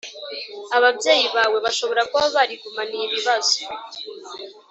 Ababyeyi bawe bashobora kuba barigumaniye ibibazo